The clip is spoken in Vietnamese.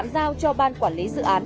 sao cho ban quản lý dự án